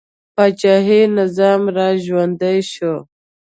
پاچاهي نظام را ژوندی شو.